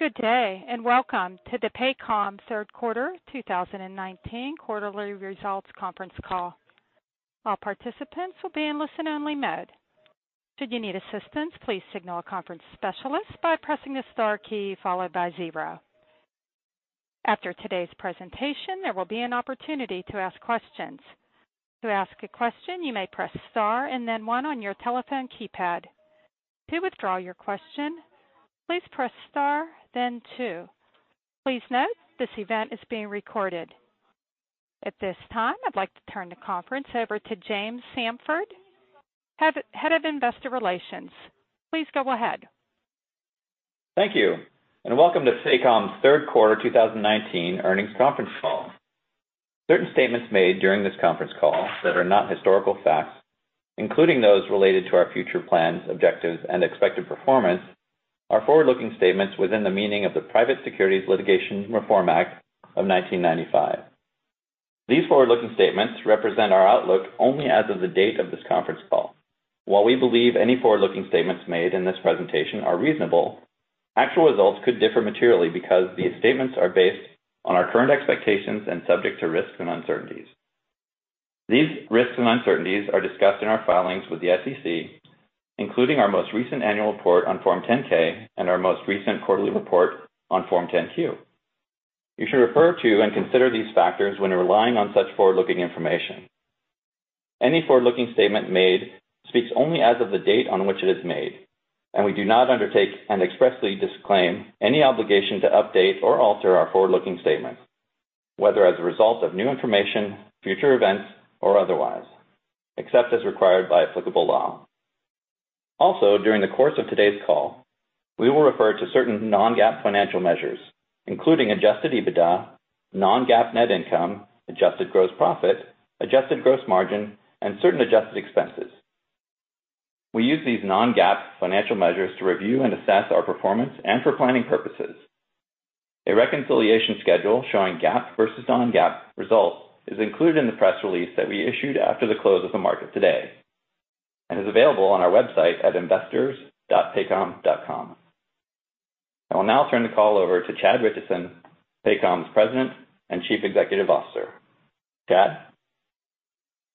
Good day, and welcome to the Paycom third quarter 2019 quarterly results conference call. All participants will be in listen-only mode. Should you need assistance, please signal a conference specialist by pressing the star key followed by zero. After today's presentation, there will be an opportunity to ask questions. To ask a question, you may press star and then one on your telephone keypad. To withdraw your question, please press star, then two. Please note, this event is being recorded. At this time, I'd like to turn the conference over to James Samford, Head of Investor Relations. Please go ahead. Thank you, and welcome to Paycom's third quarter 2019 earnings conference call. Certain statements made during this conference call that are not historical facts, including those related to our future plans, objectives, and expected performance, are forward-looking statements within the meaning of the Private Securities Litigation Reform Act of 1995. These forward-looking statements represent our outlook only as of the date of this conference call. While we believe any forward-looking statements made in this presentation are reasonable, actual results could differ materially because these statements are based on our current expectations and subject to risks and uncertainties. These risks and uncertainties are discussed in our filings with the SEC, including our most recent annual report on Form 10-K and our most recent quarterly report on Form 10-Q. You should refer to and consider these factors when relying on such forward-looking information. Any forward-looking statement made speaks only as of the date on which it is made, and we do not undertake and expressly disclaim any obligation to update or alter our forward-looking statements, whether as a result of new information, future events, or otherwise, except as required by applicable law. Also, during the course of today's call, we will refer to certain non-GAAP financial measures, including adjusted EBITDA, non-GAAP net income, adjusted gross profit, adjusted gross margin, and certain adjusted expenses. We use these non-GAAP financial measures to review and assess our performance and for planning purposes. A reconciliation schedule showing GAAP versus non-GAAP results is included in the press release that we issued after the close of the market today and is available on our website at investors.paycom.com. I will now turn the call over to Chad Richison, Paycom's President and Chief Executive Officer. Chad?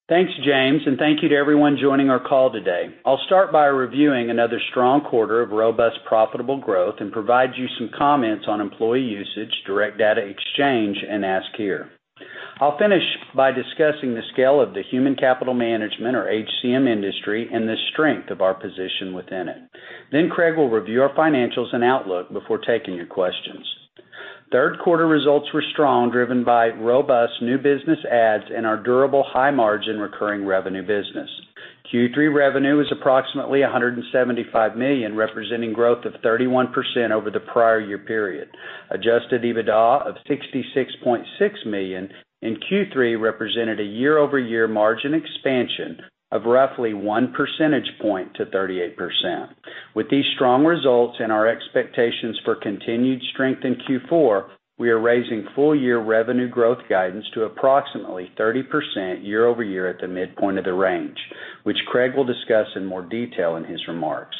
Thanks, James. Thank you to everyone joining our call today. I'll start by reviewing another strong quarter of robust, profitable growth and provide you some comments on employee usage, Direct Data Exchange, and Ask Here. I'll finish by discussing the scale of the human capital management or HCM industry and the strength of our position within it. Craig will review our financials and outlook before taking your questions. Third quarter results were strong, driven by robust new business adds and our durable high-margin recurring revenue business. Q3 revenue was approximately $175 million, representing growth of 31% over the prior year period. Adjusted EBITDA of $66.6 million in Q3 represented a year-over-year margin expansion of roughly one percentage point to 38%. With these strong results and our expectations for continued strength in Q4, we are raising full-year revenue growth guidance to approximately 30% year-over-year at the midpoint of the range, which Craig will discuss in more detail in his remarks.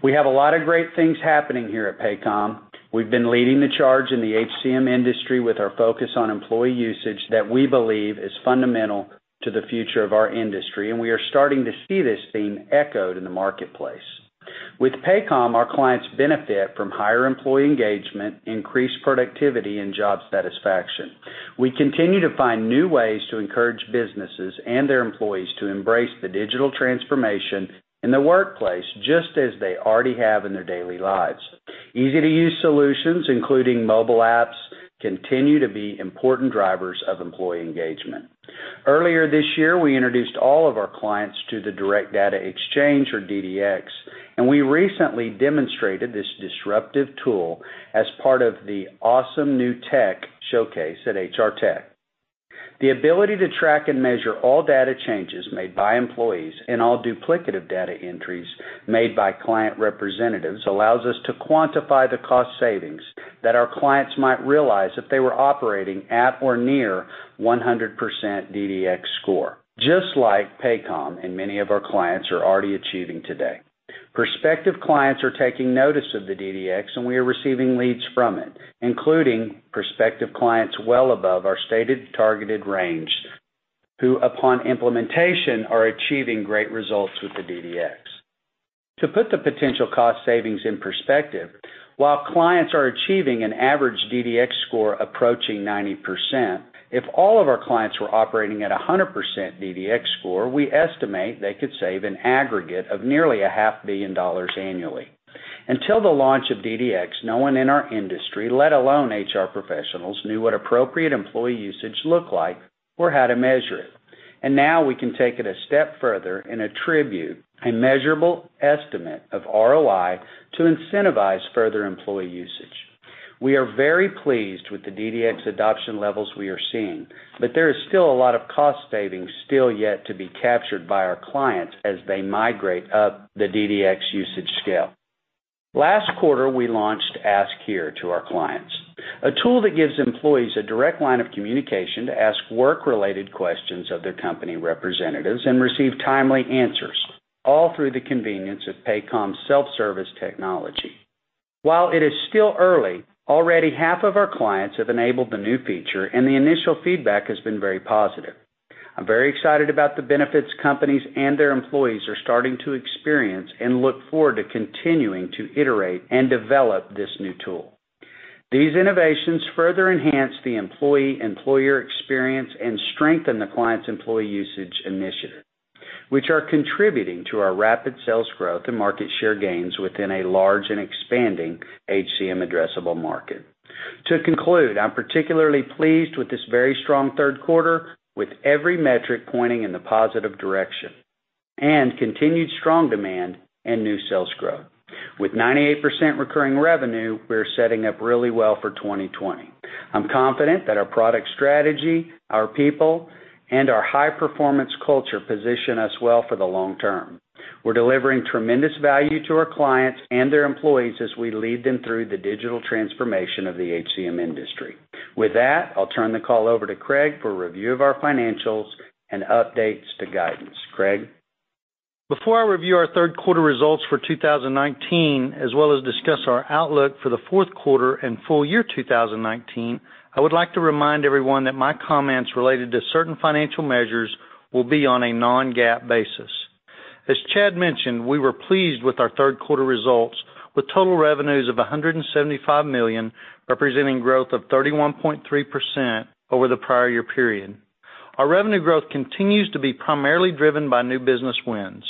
We have a lot of great things happening here at Paycom. We've been leading the charge in the HCM industry with our focus on employee usage that we believe is fundamental to the future of our industry, and we are starting to see this being echoed in the marketplace. With Paycom, our clients benefit from higher employee engagement, increased productivity, and job satisfaction. We continue to find new ways to encourage businesses and their employees to embrace the digital transformation in the workplace just as they already have in their daily lives. Easy-to-use solutions, including mobile apps, continue to be important drivers of employee engagement. Earlier this year, we introduced all of our clients to the Direct Data Exchange, or DDX, and we recently demonstrated this disruptive tool as part of the Awesome New Tech showcase at HR Tech. The ability to track and measure all data changes made by employees and all duplicative data entries made by client representatives allows us to quantify the cost savings that our clients might realize if they were operating at or near 100% DDX score, just like Paycom and many of our clients are already achieving today. Prospective clients are taking notice of the DDX, and we are receiving leads from it, including prospective clients well above our stated targeted range, who, upon implementation, are achieving great results with the DDX. To put the potential cost savings in perspective, while clients are achieving an average DDX score approaching 90%, if all of our clients were operating at 100% DDX score, we estimate they could save an aggregate of nearly a half billion dollars annually. Until the launch of DDX, no one in our industry, let alone HR professionals, knew what appropriate employee usage looked like or how to measure it. Now we can take it a step further and attribute a measurable estimate of ROI to incentivize further employee usage. We are very pleased with the DDX adoption levels we are seeing, but there is still a lot of cost savings still yet to be captured by our clients as they migrate up the DDX usage scale. Last quarter, we launched Ask Here to our clients, a tool that gives employees a direct line of communication to ask work-related questions of their company representatives and receive timely answers, all through the convenience of Paycom's self-service technology. While it is still early, already half of our clients have enabled the new feature, and the initial feedback has been very positive. I'm very excited about the benefits companies and their employees are starting to experience and look forward to continuing to iterate and develop this new tool. These innovations further enhance the employee-employer experience and strengthen the client's employee usage initiative, which are contributing to our rapid sales growth and market share gains within a large and expanding HCM addressable market. To conclude, I'm particularly pleased with this very strong third quarter, with every metric pointing in the positive direction, and continued strong demand and new sales growth. With 98% recurring revenue, we're setting up really well for 2020. I'm confident that our product strategy, our people, and our high-performance culture position us well for the long term. We're delivering tremendous value to our clients and their employees as we lead them through the digital transformation of the HCM industry. With that, I'll turn the call over to Craig for a review of our financials and updates to guidance. Craig? Before I review our third quarter results for 2019, as well as discuss our outlook for the fourth quarter and full year 2019, I would like to remind everyone that my comments related to certain financial measures will be on a non-GAAP basis. As Chad mentioned, we were pleased with our third quarter results, with total revenues of $175 million, representing growth of 31.3% over the prior year period. Our revenue growth continues to be primarily driven by new business wins.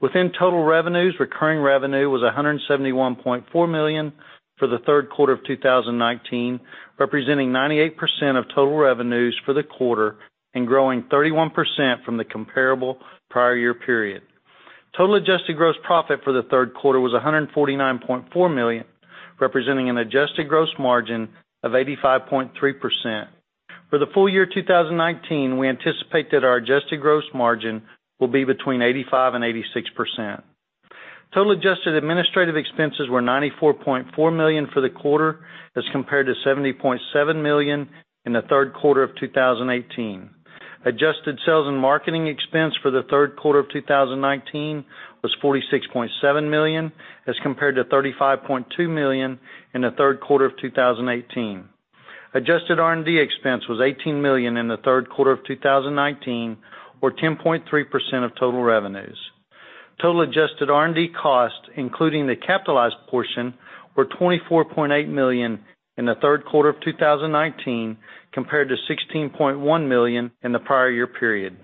Within total revenues, recurring revenue was $171.4 million for the third quarter of 2019, representing 98% of total revenues for the quarter and growing 31% from the comparable prior year period. Total adjusted gross profit for the third quarter was $149.4 million, representing an adjusted gross margin of 85.3%. For the full year 2019, we anticipate that our adjusted gross margin will be between 85% and 86%. Total adjusted administrative expenses were $94.4 million for the quarter, as compared to $70.7 million in the third quarter of 2018. Adjusted sales and marketing expense for the third quarter of 2019 was $46.7 million, as compared to $35.2 million in the third quarter of 2018. Adjusted R&D expense was $18 million in the third quarter of 2019, or 10.3% of total revenues. Total adjusted R&D costs, including the capitalized portion, were $24.8 million in the third quarter of 2019, compared to $16.1 million in the prior year period.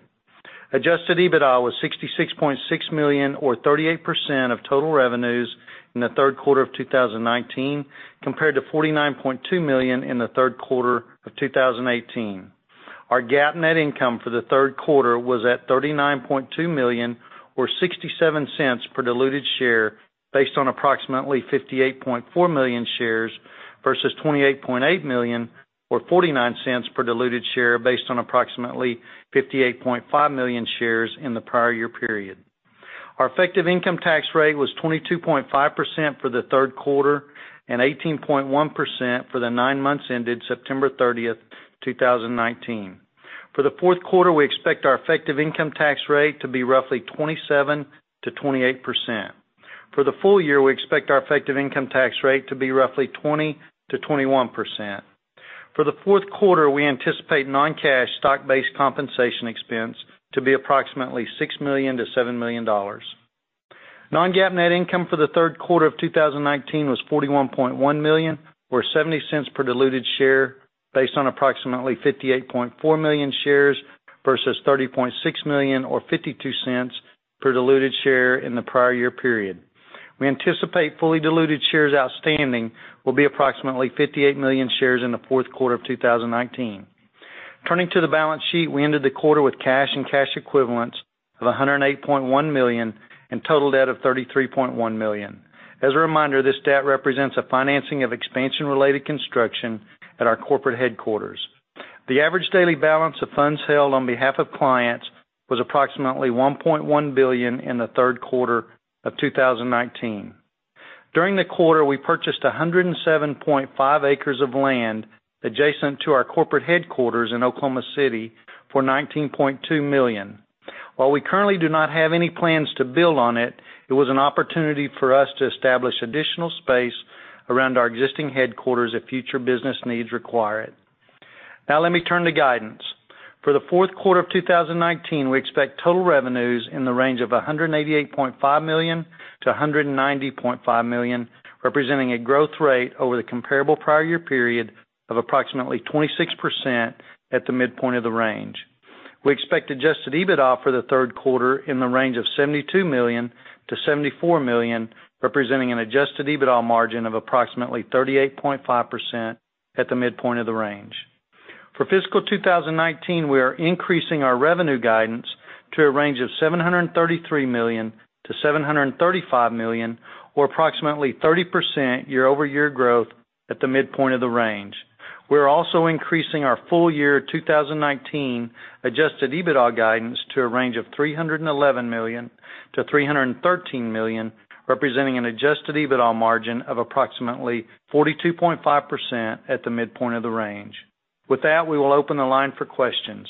Adjusted EBITDA was $66.6 million, or 38% of total revenues in the third quarter of 2019, compared to $49.2 million in the third quarter of 2018. Our GAAP net income for the third quarter was at $39.2 million, or $0.67 per diluted share based on approximately 58.4 million shares versus $28.8 million or $0.49 per diluted share based on approximately 58.5 million shares in the prior year period. Our effective income tax rate was 22.5% for the third quarter and 18.1% for the nine months ended September 30th, 2019. For the fourth quarter, we expect our effective income tax rate to be roughly 27%-28%. For the full year, we expect our effective income tax rate to be roughly 20%-21%. For the fourth quarter, we anticipate non-cash stock-based compensation expense to be approximately $6 million-$7 million. Non-GAAP net income for the third quarter of 2019 was $41.1 million, or $0.70 per diluted share based on approximately 58.4 million shares versus $30.6 million or $0.52 per diluted share in the prior year period. We anticipate fully diluted shares outstanding will be approximately 58 million shares in the fourth quarter of 2019. Turning to the balance sheet, we ended the quarter with cash and cash equivalents of $108.1 million and total debt of $33.1 million. As a reminder, this debt represents a financing of expansion-related construction at our corporate headquarters. The average daily balance of funds held on behalf of clients was approximately $1.1 billion in the third quarter of 2019. During the quarter, we purchased 107.5 acres of land adjacent to our corporate headquarters in Oklahoma City for $19.2 million. While we currently do not have any plans to build on it was an opportunity for us to establish additional space around our existing headquarters if future business needs require it. Let me turn to guidance. For the fourth quarter of 2019, we expect total revenues in the range of $188.5 million-$190.5 million, representing a growth rate over the comparable prior year period of approximately 26% at the midpoint of the range. We expect adjusted EBITDA for the third quarter in the range of $72 million-$74 million, representing an adjusted EBITDA margin of approximately 38.5% at the midpoint of the range. For fiscal 2019, we are increasing our revenue guidance to a range of $733 million-$735 million, or approximately 30% year-over-year growth at the midpoint of the range. We're also increasing our full year 2019 adjusted EBITDA guidance to a range of $311 million-$313 million, representing an adjusted EBITDA margin of approximately 42.5% at the midpoint of the range. With that, we will open the line for questions.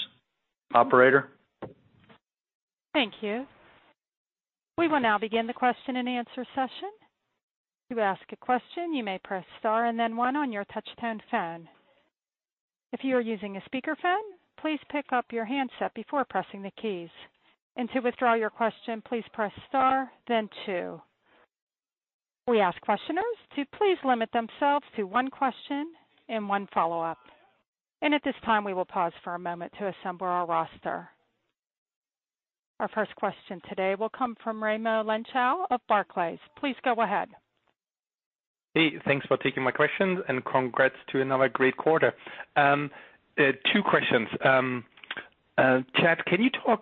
Operator? Thank you. We will now begin the question and answer session. To ask a question, you may press star and then one on your touch-tone phone. If you are using a speakerphone, please pick up your handset before pressing the keys. To withdraw your question, please press star, then two. We ask questioners to please limit themselves to one question and one follow-up. At this time, we will pause for a moment to assemble our roster. Our first question today will come from Raimo Lenschow of Barclays. Please go ahead. Hey, thanks for taking my questions. Congrats to another great quarter. Two questions. Chad,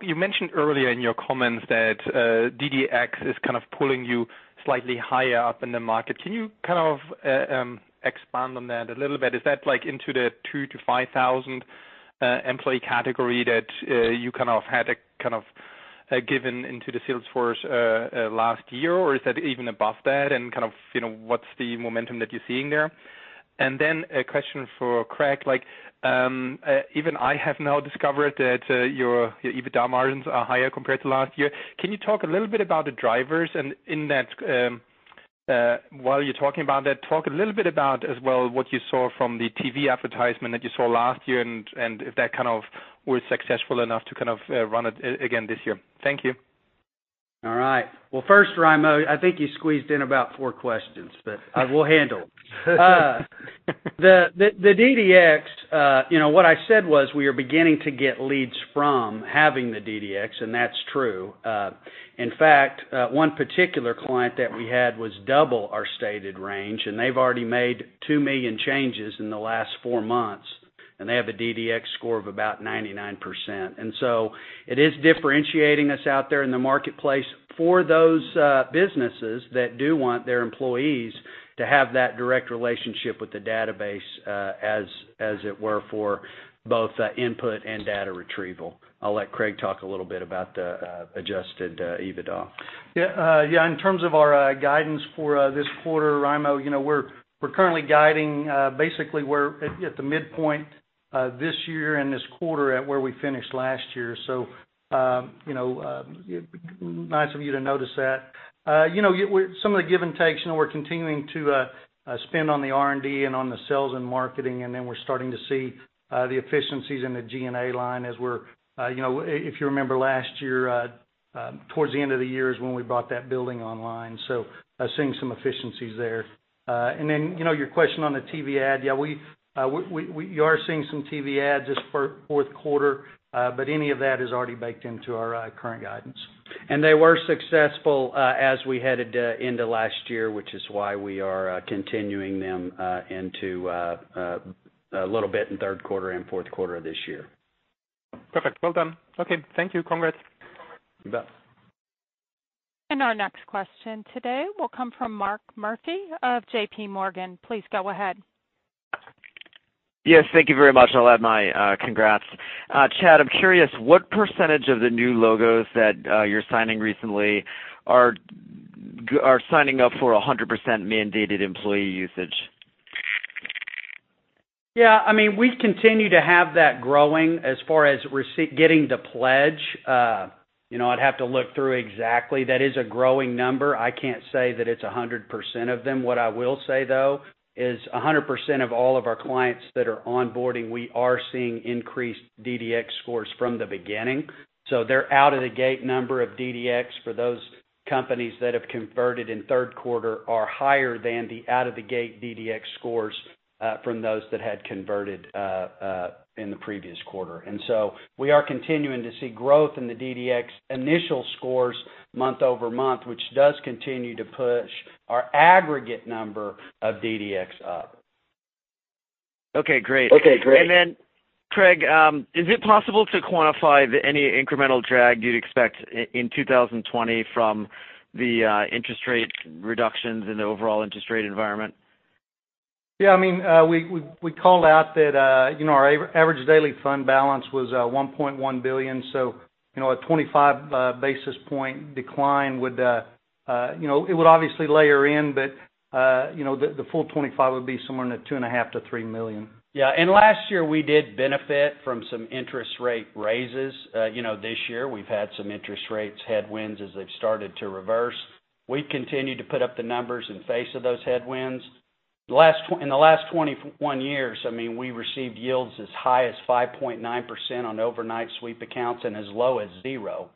you mentioned earlier in your comments that DDX is kind of pulling you slightly higher up in the market. Can you kind of expand on that a little bit? Is that into the 2,000-5,000 employee category that you kind of had given into the sales force last year, or is that even above that? What's the momentum that you're seeing there? A question for Craig. Even I have now discovered that your EBITDA margins are higher compared to last year. Can you talk a little bit about the drivers and while you're talking about that, talk a little bit about, as well, what you saw from the TV advertisement that you saw last year, and if that was successful enough to run it again this year. Thank you. All right. Well, first, Raimo, I think you squeezed in about four questions. I will handle. The DDX, what I said was, we are beginning to get leads from having the DDX. That's true. In fact, one particular client that we had was double our stated range, and they've already made two million changes in the last four months, and they have a DDX score of about 99%. It is differentiating us out there in the marketplace for those businesses that do want their employees to have that direct relationship with the database, as it were, for both input and data retrieval. I'll let Craig talk a little bit about the adjusted EBITDA. Yeah. In terms of our guidance for this quarter, Raimo, we're currently guiding, basically we're at the midpoint, this year and this quarter at where we finished last year. Nice of you to notice that. Some of the give and takes, we're continuing to spend on the RD and on the sales and marketing, we're starting to see the efficiencies in the GNA line. If you remember last year, towards the end of the year is when we brought that building online, so seeing some efficiencies there. Your question on the TV ad. Yeah, you are seeing some TV ads this fourth quarter, any of that is already baked into our current guidance. They were successful as we headed into last year, which is why we are continuing them into a little bit in third quarter and fourth quarter of this year. Perfect. Well done. Okay. Thank you. Congrats. You bet. Our next question today will come from Mark Murphy of JPMorgan. Please go ahead. Yes, thank you very much. I'll add my congrats. Chad, I'm curious, what percentage of the new logos that you're signing recently are signing up for 100% mandated employee usage? We continue to have that growing as far as getting the pledge. I'd have to look through exactly. That is a growing number. I can't say that it's 100% of them. What I will say, though, is 100% of all of our clients that are onboarding, we are seeing increased DDX scores from the beginning. Their out-of-the-gate number of DDX for those companies that have converted in third quarter are higher than the out-of-the-gate DDX scores from those that had converted in the previous quarter. We are continuing to see growth in the DDX initial scores month-over-month, which does continue to push our aggregate number of DDX up. Okay, great. Then Craig, is it possible to quantify any incremental drag you'd expect in 2020 from the interest rate reductions in the overall interest rate environment? Yeah. We called out that our average daily fund balance was $1.1 billion, so a 25-basis point decline it would obviously layer in, but the full 25 would be somewhere in the $2.5 million-$3 million. Yeah. Last year, we did benefit from some interest rate raises. This year, we've had some interest rates headwinds as they've started to reverse. We've continued to put up the numbers in face of those headwinds. In the last 21 years, we received yields as high as 5.9% on overnight sweep accounts and as low as zero.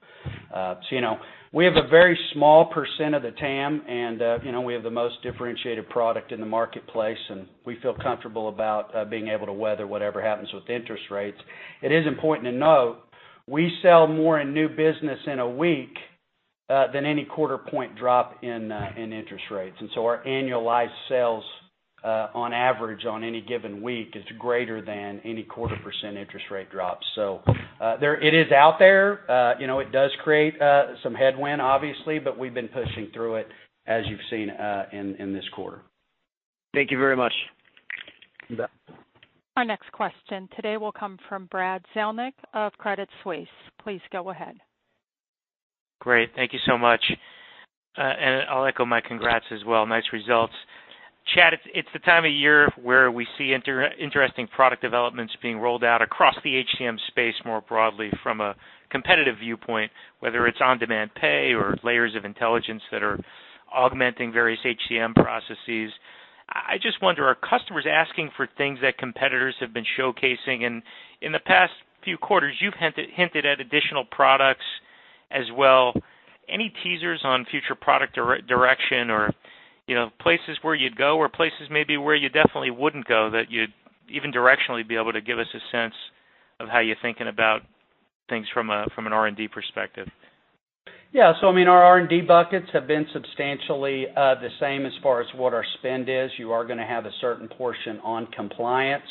We have a very small % of the TAM, and we have the most differentiated product in the marketplace, and we feel comfortable about being able to weather whatever happens with interest rates. It is important to note, we sell more in new business in a week than any quarter point drop in interest rates. Our annualized sales, on average, on any given week, is greater than any quarter percent interest rate drop. It is out there. It does create some headwind, obviously, but we've been pushing through it as you've seen in this quarter. Thank you very much. Our next question today will come from Brad Zelnick of Credit Suisse. Please go ahead. Great. Thank you so much, and I'll echo my congrats as well. Nice results. Chad, it's the time of year where we see interesting product developments being rolled out across the HCM space more broadly from a competitive viewpoint, whether it's on-demand pay or layers of intelligence that are augmenting various HCM processes. I just wonder, are customers asking for things that competitors have been showcasing? In the past few quarters, you've hinted at additional products as well. Any teasers on future product direction or, places where you'd go or places maybe where you definitely wouldn't go that you'd even directionally be able to give us a sense of how you're thinking about things from an R&D perspective? Yeah. I mean, our R&D buckets have been substantially the same as far as what our spend is. You are gonna have a certain portion on compliance,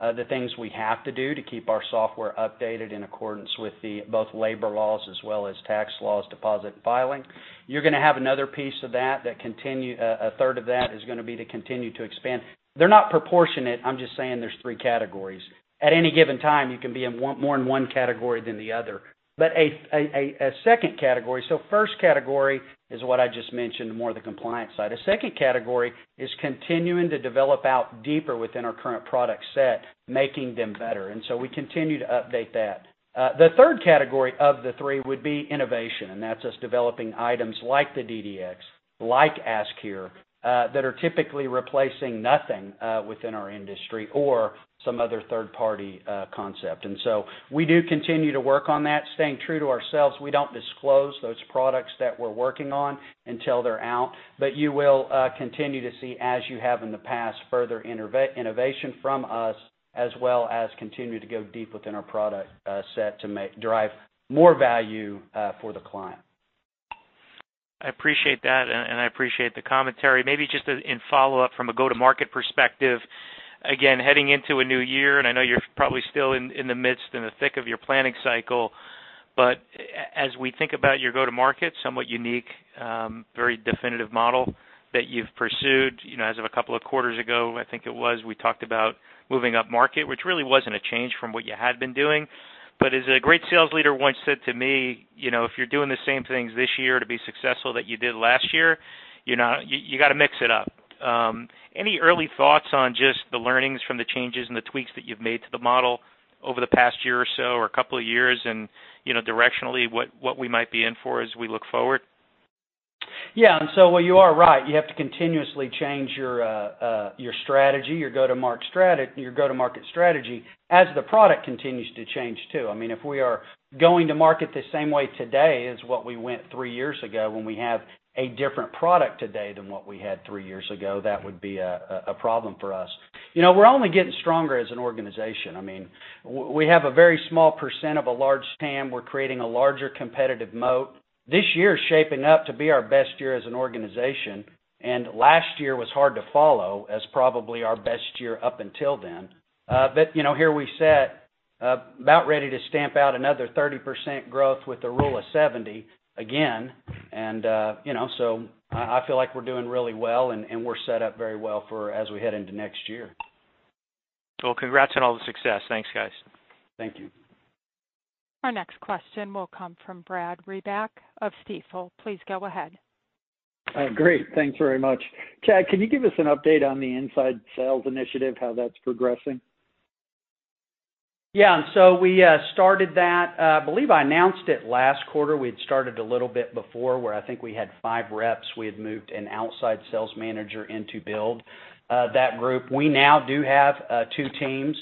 the things we have to do to keep our software updated in accordance with both labor laws as well as tax laws, deposit and filing. You're gonna have another piece of that, a third of that is gonna be to continue to expand. They're not proportionate. I'm just saying there's three categories. At any given time, you can be more in one category than the other. A second category. First category is what I just mentioned, more the compliance side. A second category is continuing to develop out deeper within our current product set, making them better. We continue to update that. The third category of the three would be innovation, and that's us developing items like the DDX, like Ask Here, that are typically replacing nothing within our industry or some other third-party concept. We do continue to work on that, staying true to ourselves. We don't disclose those products that we're working on until they're out. You will continue to see, as you have in the past, further innovation from us as well as continue to go deep within our product set to drive more value for the client. I appreciate that and I appreciate the commentary. Maybe just as in follow-up from a go-to-market perspective, again, heading into a new year, and I know you're probably still in the midst and the thick of your planning cycle. As we think about your go-to-market, somewhat unique, very definitive model that you've pursued, as of a couple of quarters ago, I think it was, we talked about moving up market, which really wasn't a change from what you had been doing. As a great sales leader once said to me, "If you're doing the same things this year to be successful that you did last year, you're not you got to mix it up." Any early thoughts on just the learnings from the changes and the tweaks that you've made to the model over the past year or so or a couple of years and, directionally, what we might be in for as we look forward? Yeah. While you are right, you have to continuously change your strategy, your go-to-market strategy as the product continues to change, too. I mean, if we are going to market the same way today as what we went three years ago when we have a different product today than what we had three years ago, that would be a problem for us. We're only getting stronger as an organization. I mean, we have a very small percent of a large TAM. We're creating a larger competitive moat. This year is shaping up to be our best year as an organization, and last year was hard to follow as probably our best year up until then. Here we set about ready to stamp out another 30% growth with the rule of 70 again. I feel like we're doing really well and we're set up very well for as we head into next year. Congrats on all the success. Thanks, guys. Thank you. Our next question will come from Brad Reback of Stifel. Please go ahead. great. Thanks very much. Chad, can you give us an update on the inside sales initiative, how that's progressing? Yeah. We started that, I believe I announced it last quarter. We had started a little bit before where I think we had five reps. We had moved an outside sales manager in to build that group. We now do have two teams,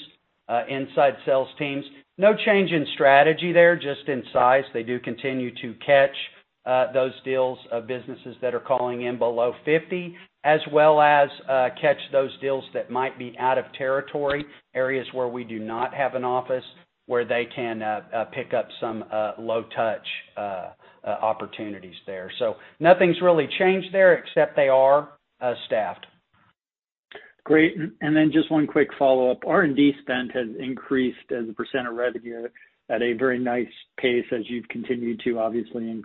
inside sales teams. No change in strategy there, just in size. They do continue to catch those deals of businesses that are calling in below 50, as well as catch those deals that might be out of territory, areas where we do not have an office where they can pick up some low touch opportunities there. Nothing's really changed there except they are staffed. Great. Then just one quick follow-up. RD spend has increased as a percent of revenue at a very nice pace as you've continued to obviously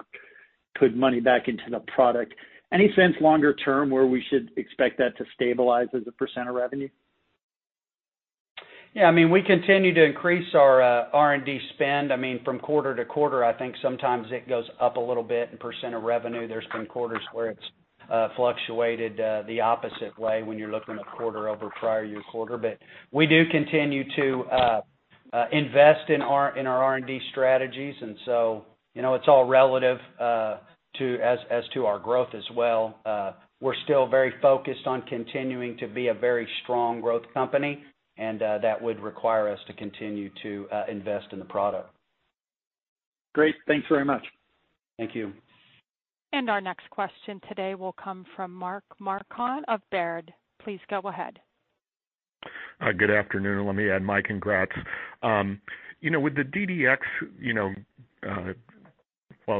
put money back into the product. Any sense longer term where we should expect that to stabilize as a percent of revenue? Yeah, I mean, we continue to increase our R&D spend. I mean, from quarter-to-quarter, I think sometimes it goes up a little bit in % of revenue. There's been quarters where it's fluctuated the opposite way when you're looking at quarter-over-prior-year-quarter. We do continue to invest in our R&D strategies, it's all relative as to our growth as well. We're still very focused on continuing to be a very strong growth company, that would require us to continue to invest in the product. Great. Thanks very much. Thank you. Our next question today will come from Mark Marcon of Baird. Please go ahead. Good afternoon. Let me add my congrats. Well,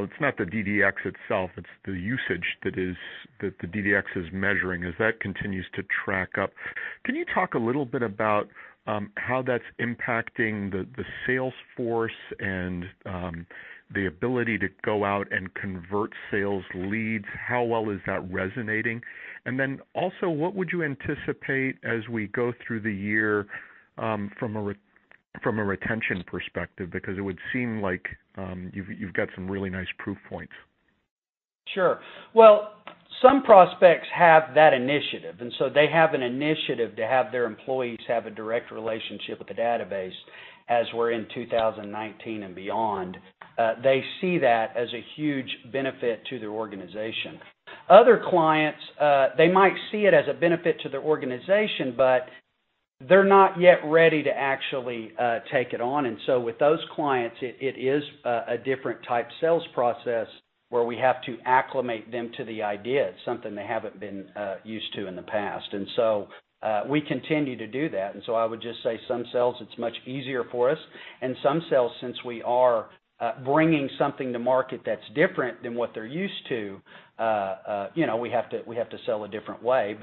it's not the DDX itself, it's the usage that the DDX is measuring as that continues to track up. Can you talk a little bit about how that's impacting the sales force and the ability to go out and convert sales leads, how well is that resonating? Then also, what would you anticipate as we go through the year from a retention perspective? It would seem like you've got some really nice proof points. Sure. Well, some prospects have that initiative, and so they have an initiative to have their employees have a direct relationship with the database as we're in 2019 and beyond. They see that as a huge benefit to their organization. Other clients, they might see it as a benefit to their organization, but they're not yet ready to actually take it on. With those clients, it is a different type sales process where we have to acclimate them to the idea. It's something they haven't been used to in the past. We continue to do that. I would just say some sales, it's much easier for us. Some sales, since we are bringing something to market that's different than what they're used to, we have to sell a different way.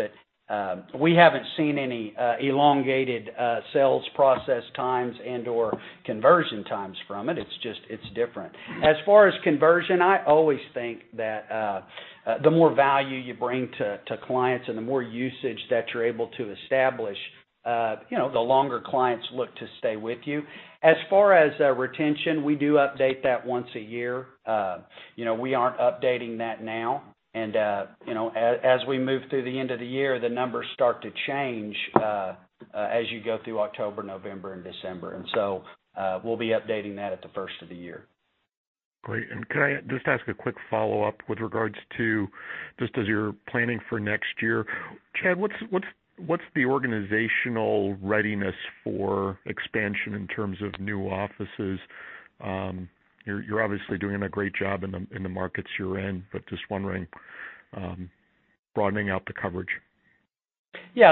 We haven't seen any elongated sales process times and/or conversion times from it. It's just different. As far as conversion, I always think that the more value you bring to clients and the more usage that you're able to establish, the longer clients look to stay with you. As far as retention, we do update that once a year. We aren't updating that now. As we move through the end of the year, the numbers start to change as you go through October, November and December. We'll be updating that at the first of the year. Great. Could I just ask a quick follow-up with regards to just as you're planning for next year, Chad, what's the organizational readiness for expansion in terms of new offices? You're obviously doing a great job in the markets you're in, but just wondering, broadening out the coverage. We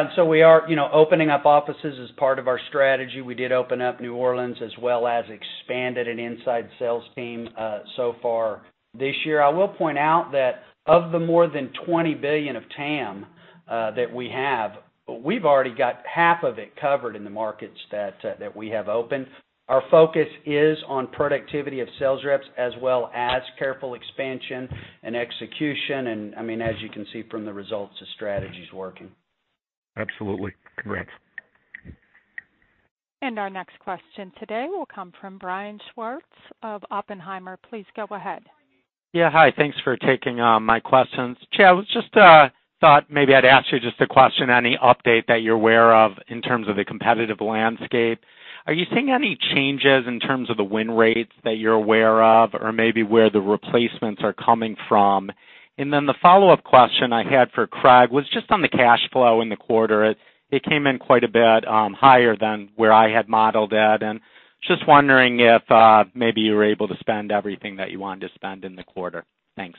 are opening up offices as part of our strategy. We did open up New Orleans as well as expanded an inside sales team so far this year. I will point out that of the more than $20 billion of TAM that we have, we've already got half of it covered in the markets that we have opened. Our focus is on productivity of sales reps, as well as careful expansion and execution, and as you can see from the results, the strategy's working. Absolutely. Congrats. Our next question today will come from Brian Schwartz of Oppenheimer. Please go ahead. Yeah. Hi, thanks for taking my questions. Chad, I just thought maybe I'd ask you just a question, any update that you're aware of in terms of the competitive landscape. Are you seeing any changes in terms of the win rates that you're aware of, or maybe where the replacements are coming from? Then the follow-up question I had for Craig was just on the cash flow in the quarter. It came in quite a bit higher than where I had modeled it, and just wondering if maybe you were able to spend everything that you wanted to spend in the quarter. Thanks.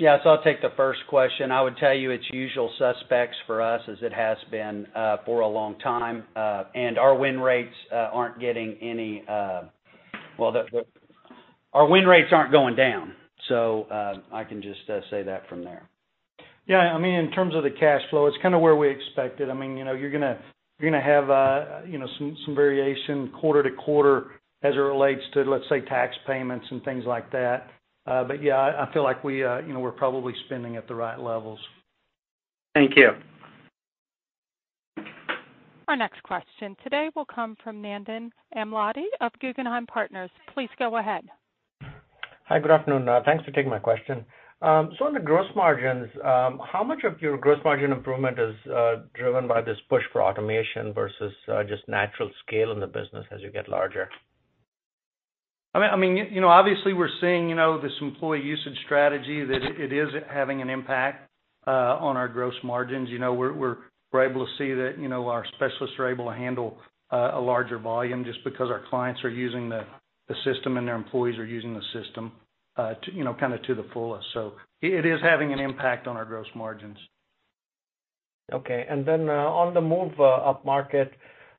Yeah. I'll take the first question. I would tell you it's usual suspects for us as it has been for a long time. Our win rates aren't going down. I can just say that from there. In terms of the cash flow, it's kind of where we expected. You're going to have some variation quarter to quarter as it relates to, let's say, tax payments and things like that. I feel like we're probably spending at the right levels. Thank you. Our next question today will come from Nandan Amladi of Guggenheim Partners. Please go ahead. Hi, good afternoon. Thanks for taking my question. On the gross margins, how much of your gross margin improvement is driven by this push for automation versus just natural scale in the business as you get larger? We're seeing this employee usage strategy, that it is having an impact on our gross margins. We're able to see that our specialists are able to handle a larger volume just because our clients are using the system and their employees are using the system to the fullest. It is having an impact on our gross margins. Okay, on the move up market,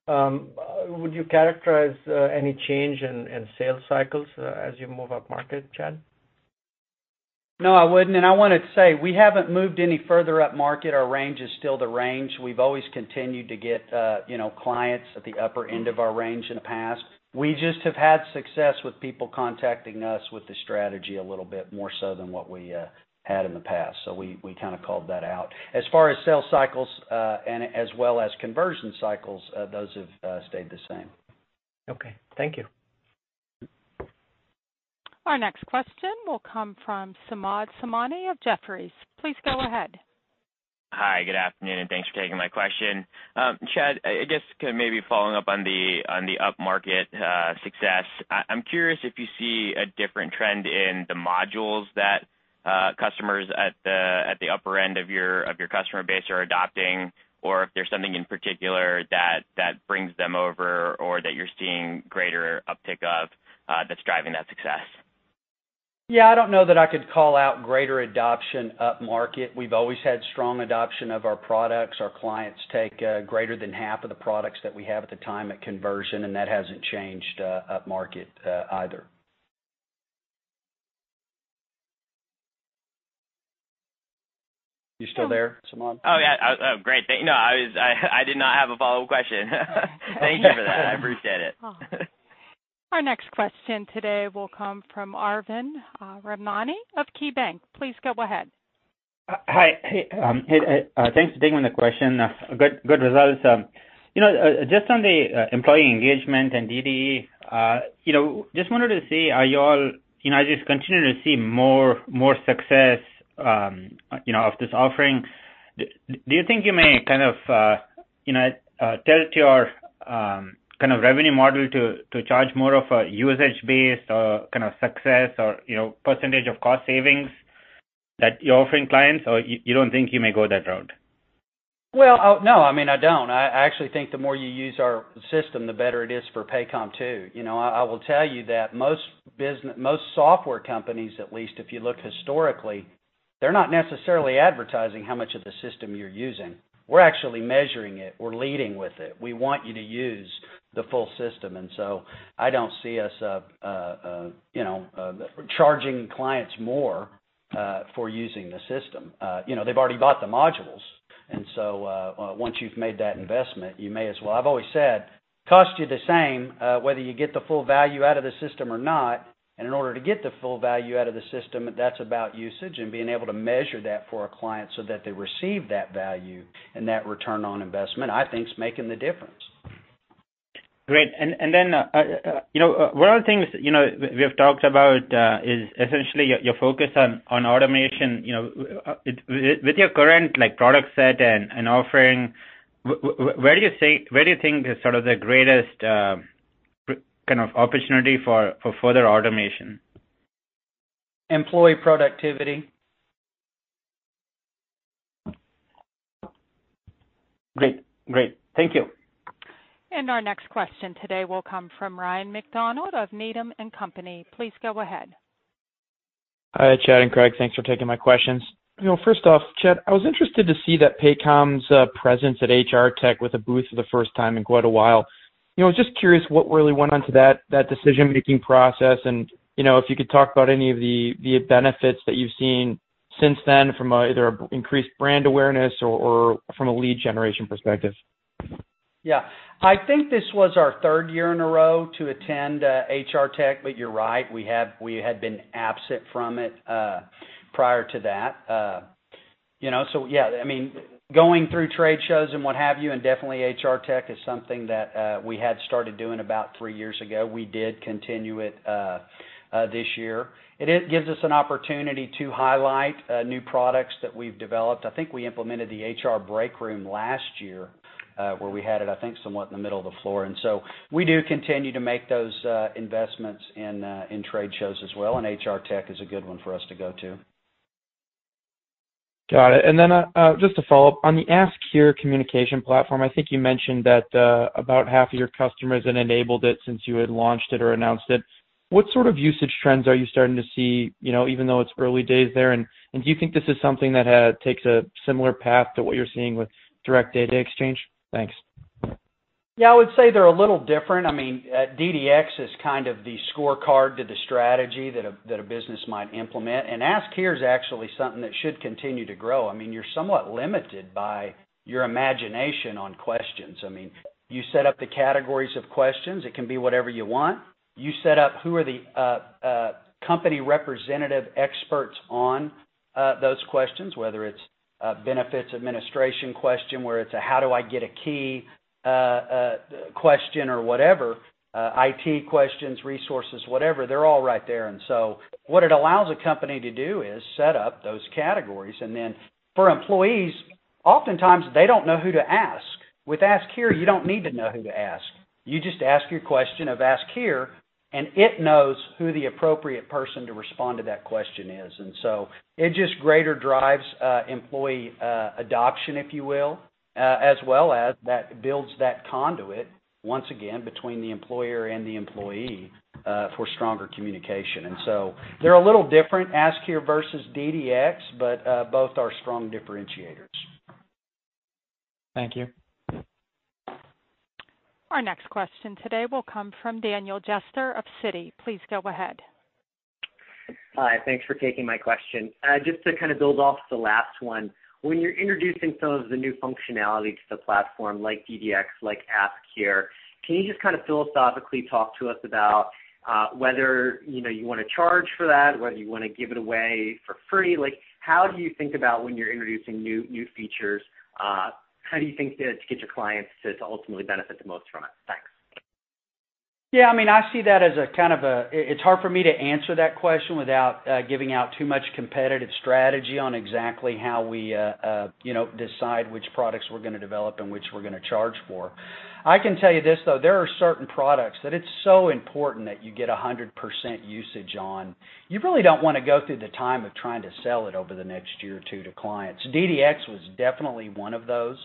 would you characterize any change in sales cycles as you move up market, Chad? No, I wouldn't, and I want to say we haven't moved any further up market. Our range is still the range. We've always continued to get clients at the upper end of our range in the past. We just have had success with people contacting us with the strategy a little bit more so than what we had in the past. We kind of called that out. As far as sales cycles, and as well as conversion cycles, those have stayed the same. Okay. Thank you. Our next question will come from Samad Samana of Jefferies. Please go ahead. Hi, good afternoon, and thanks for taking my question. Chad, I guess maybe following up on the up-market success, I'm curious if you see a different trend in the modules that customers at the upper end of your customer base are adopting, or if there's something in particular that brings them over or that you're seeing greater uptick of that's driving that success. Yeah, I don't know that I could call out greater adoption up market. We've always had strong adoption of our products. Our clients take greater than half of the products that we have at the time at conversion, and that hasn't changed up market either. You still there, Samad? Oh, yeah. Oh, great. No, I did not have a follow-up question. Thank you for that. I appreciate it. Our next question today will come from Arvind Ramani of KeyBank. Please go ahead. Hi. Hey. Thanks for taking the question. Good results. Just on the employee engagement and DDX, just wanted to see, are you all just continuing to see more success of this offering? Do you think you may kind of tilt your kind of revenue model to charge more of a usage base or kind of success or percentage of cost savings that you're offering clients, or you don't think you may go that route? Well, no, I don't. I actually think the more you use our system, the better it is for Paycom, too. I will tell you that most software companies, at least, if you look historically, they're not necessarily advertising how much of the system you're using. We're actually measuring it. We're leading with it. We want you to use the full system. I don't see us charging clients more for using the system. They've already bought the modules, and so once you've made that investment, you may as well. I've always said, "Costs you the same whether you get the full value out of the system or not." In order to get the full value out of the system, that's about usage and being able to measure that for a client so that they receive that value and that return on investment, I think is making the difference. Great. One of the things we have talked about is essentially your focus on automation. With your current product set and offering, where do you think is sort of the greatest opportunity for further automation? Employee productivity. Great. Thank you. Our next question today will come from Ryan MacDonald of Needham and Company. Please go ahead. Hi, Chad and Craig. Thanks for taking my questions. First off, Chad, I was interested to see that Paycom's presence at HR Tech with a booth for the first time in quite a while. Just curious what really went into that decision-making process and if you could talk about any of the benefits that you've seen since then from either increased brand awareness or from a lead generation perspective. Yeah. I think this was our third year in a row to attend HR Tech, but you're right, we had been absent from it prior to that. Yeah, going through trade shows and what have you, and definitely HR Tech is something that we had started doing about three years ago. We did continue it this year. It gives us an opportunity to highlight new products that we've developed. I think we implemented the HR Break Room last year, where we had it, I think, somewhat in the middle of the floor. We do continue to make those investments in trade shows as well, and HR Tech is a good one for us to go to. Got it. Just a follow-up. On the Ask Here communication platform, I think you mentioned that about half of your customers had enabled it since you had launched it or announced it. What sort of usage trends are you starting to see, even though it's early days there? Do you think this is something that takes a similar path to what you're seeing with Direct Data Exchange? Thanks. I would say they're a little different. DDX is kind of the scorecard to the strategy that a business might implement, and Ask Here is actually something that should continue to grow. You're somewhat limited by your imagination on questions. You set up the categories of questions. It can be whatever you want. You set up who are the company representative experts on those questions, whether it's a benefits administration question, whether it's a how do I get a key question or whatever, IT questions, resources, whatever, they're all right there. What it allows a company to do is set up those categories. Then for employees, oftentimes, they don't know who to ask. With Ask Here, you don't need to know who to ask. You just ask your question of Ask Here, and it knows who the appropriate person to respond to that question is. It just greater drives employee adoption, if you will, as well as that builds that conduit, once again, between the employer and the employee, for stronger communication. They're a little different, Ask Here versus DDX, but both are strong differentiators. Thank you. Our next question today will come from Daniel Jester of Citi. Please go ahead. Hi. Thanks for taking my question. Just to kind of build off the last one, when you're introducing some of the new functionality to the platform like DDX, like Ask Here, can you just kind of philosophically talk to us about whether you want to charge for that, whether you want to give it away for free? How do you think about when you're introducing new features, how do you think to get your clients to ultimately benefit the most from it? Thanks. I see that as a kind of It's hard for me to answer that question without giving out too much competitive strategy on exactly how we decide which products we're going to develop and which we're going to charge for. I can tell you this, though. There are certain products that it's so important that you get 100% usage on. You really don't want to go through the time of trying to sell it over the next year or 2 to clients. DDX was definitely one of those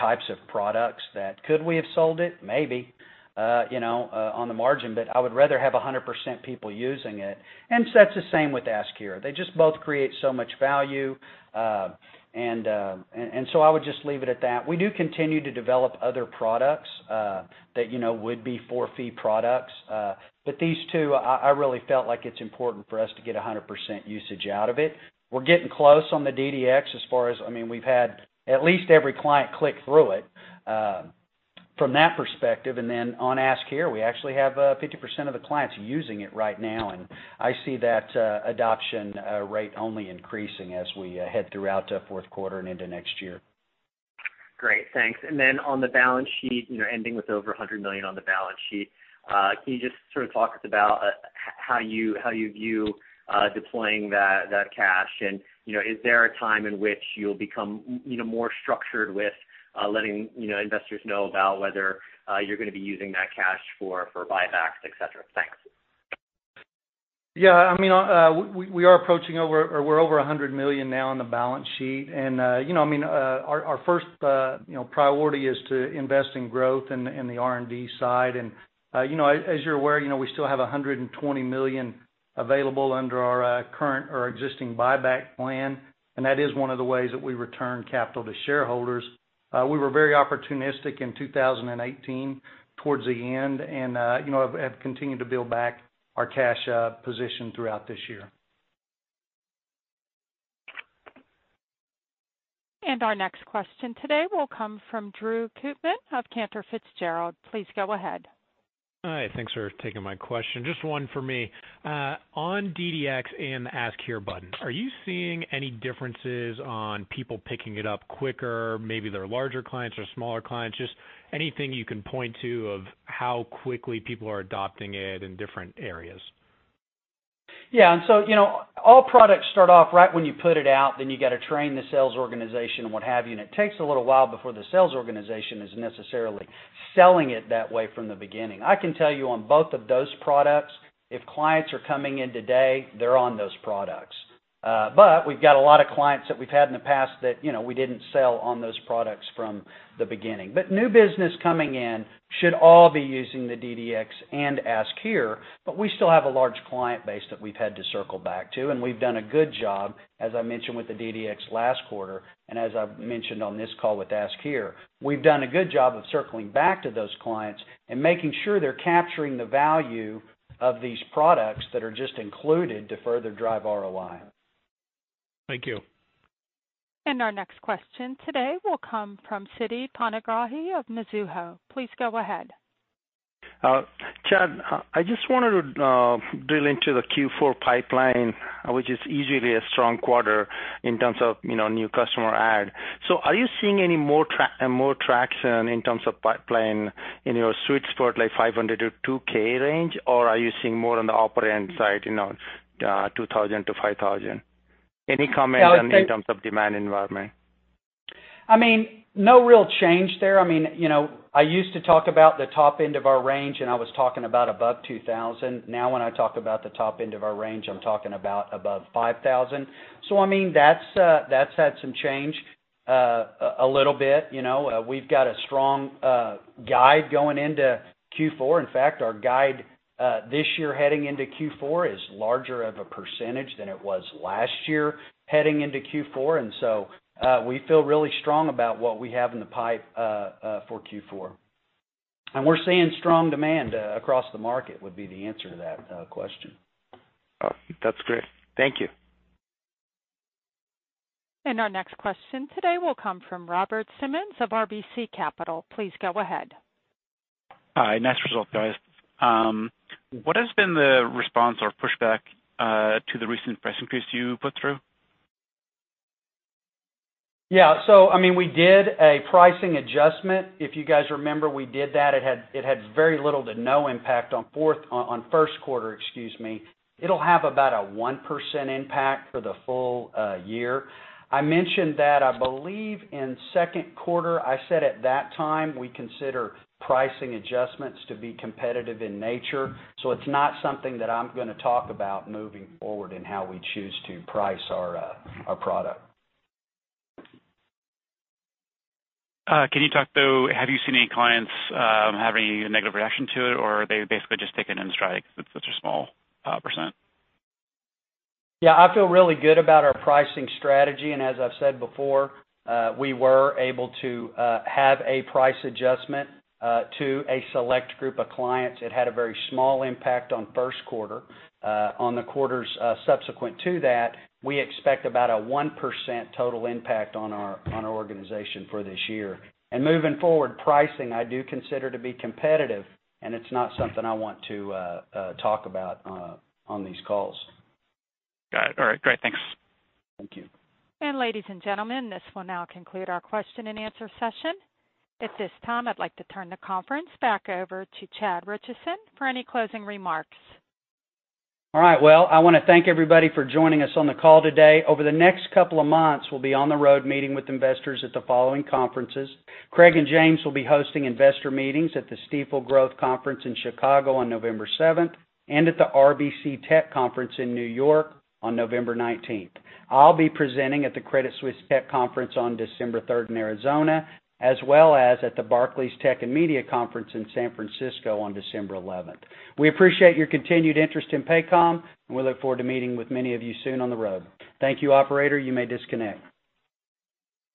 types of products that could we have sold it? Maybe, on the margin, but I would rather have 100% people using it. That's the same with Ask Here. They just both create so much value. I would just leave it at that. We do continue to develop other products that would be for-fee products. These two, I really felt like it's important for us to get 100% usage out of it. We're getting close on the DDX as far as we've had at least every client click through it. From that perspective, on Ask Here, we actually have 50% of the clients using it right now, and I see that adoption rate only increasing as we head throughout fourth quarter and into next year. Great, thanks. On the balance sheet, ending with over $100 million on the balance sheet, can you just sort of talk to us about how you view deploying that cash and is there a time in which you'll become more structured with letting investors know about whether you're going to be using that cash for buybacks, et cetera? Thanks. Yeah. We are approaching over, or we're over $100 million now on the balance sheet, Our first priority is to invest in growth in the R&D side. As you're aware, we still have $120 million available under our current or existing buyback plan, and that is one of the ways that we return capital to shareholders. We were very opportunistic in 2018 towards the end and have continued to build back our cash position throughout this year. Our next question today will come from Drew Kootman of Cantor Fitzgerald. Please go ahead. Hi, thanks for taking my question. Just one for me. On DDX and the Ask Here button, are you seeing any differences on people picking it up quicker? Maybe they're larger clients or smaller clients, just anything you can point to of how quickly people are adopting it in different areas? Yeah. All products start off right when you put it out, then you got to train the sales organization and what have you, and it takes a little while before the sales organization is necessarily selling it that way from the beginning. I can tell you on both of those products, if clients are coming in today, they're on those products. We've got a lot of clients that we've had in the past that we didn't sell on those products from the beginning. New business coming in should all be using the DDX and Ask Here, but we still have a large client base that we've had to circle back to, and we've done a good job, as I mentioned with the DDX last quarter, and as I've mentioned on this call with Ask Here. We've done a good job of circling back to those clients and making sure they're capturing the value of these products that are just included to further drive ROI. Thank you. Our next question today will come from Siti Panigrahi of Mizuho. Please go ahead. Chad, I just wanted to drill into the Q4 pipeline, which is easily a strong quarter in terms of new customer add. Are you seeing any more traction in terms of pipeline in your sweet spot, like 500-2,000 range? Or are you seeing more on the upper end side, 2,000-5,000? Any comment in terms of demand environment? No real change there. I used to talk about the top end of our range, I was talking about above 2,000. Now when I talk about the top end of our range, I'm talking about above 5,000. That's had some change a little bit. We've got a strong guide going into Q4. In fact, our guide this year heading into Q4 is larger of a percentage than it was last year heading into Q4, we feel really strong about what we have in the pipe for Q4. We're seeing strong demand across the market would be the answer to that question. That's great. Thank you. Our next question today will come from Robert Simmons of RBC Capital. Please go ahead. Hi, nice result, guys. What has been the response or pushback to the recent price increase you put through? Yeah. We did a pricing adjustment. If you guys remember, we did that. It had very little to no impact on first quarter, excuse me. It'll have about a 1% impact for the full year. I mentioned that, I believe, in second quarter. I said at that time, we consider pricing adjustments to be competitive in nature. It's not something that I'm going to talk about moving forward in how we choose to price our product. Can you talk, though, have you seen any clients have any negative reaction to it, or are they basically just taking it in stride because it's such a small %? Yeah, I feel really good about our pricing strategy and as I've said before, we were able to have a price adjustment to a select group of clients. It had a very small impact on first quarter. On the quarters subsequent to that, we expect about a 1% total impact on our organization for this year. Moving forward pricing, I do consider to be competitive, and it's not something I want to talk about on these calls. Got it. All right, great. Thanks. Thank you. Ladies and gentlemen, this will now conclude our question and answer session. At this time, I'd like to turn the conference back over to Chad Richison for any closing remarks. All right. Well, I want to thank everybody for joining us on the call today. Over the next couple of months, we'll be on the road meeting with investors at the following conferences. Craig and James will be hosting investor meetings at the Stifel Growth Conference in Chicago on November 7th and at the RBC Tech Conference in New York on November 19th. I'll be presenting at the Credit Suisse Tech Conference on December 3rd in Arizona, as well as at the Barclays Tech and Media Conference in San Francisco on December 11th. We appreciate your continued interest in Paycom. We look forward to meeting with many of you soon on the road. Thank you, operator. You may disconnect.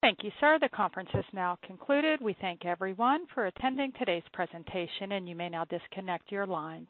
Thank you, sir. The conference is now concluded. We thank everyone for attending today's presentation, and you may now disconnect your lines.